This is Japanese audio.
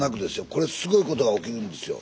これすごいことが起きるんですよ。